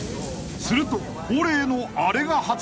［すると］